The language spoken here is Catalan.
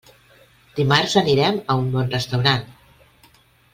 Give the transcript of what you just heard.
Dimarts anirem a un bon restaurant.